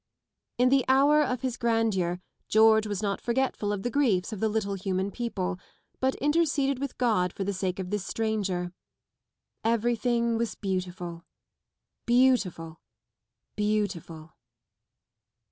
In the hour of his grandeur George was not forgetful of the griefs of the little Hunan people, but interceded with God for the sake of this stranger. Everything was beautiful, beautiful, beautiful.